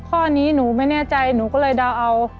ข้อนี้หนูไม่แน่ใจหนูก็เลยเดาเอา